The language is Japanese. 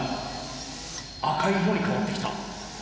赤い色に変わってきた。